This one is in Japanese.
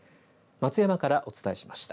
松山からお伝えしました。